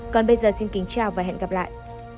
còn bây giờ xin kính chào và hẹn gặp lại